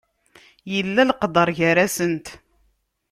Yella leqder gar-asent.